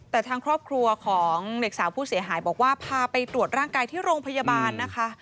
แต่ทางครอบครัวของเด็กสาวผู้เสียหายบอกว่าพาไปตรวจร่างกายที่โรงพยาบาลนะคะ